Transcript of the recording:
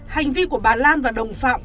hành vi của bà lan và đồng phạm